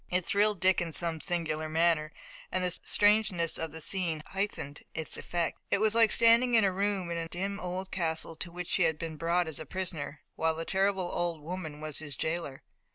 It thrilled Dick in some singular manner, and the strangeness of the scene heightened its effect. It was like standing in a room in a dim old castle to which he had been brought as a prisoner, while the terrible old woman was his jailer.